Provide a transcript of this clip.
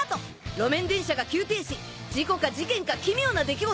路面電車が急停止事故か事件か奇妙な出来事